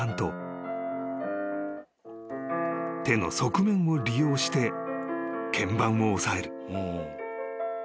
［手の側面を利用して鍵盤を押さえる］